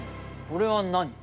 これは何？